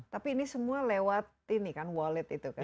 tapi ini semua lewat ini kan wallet itu kan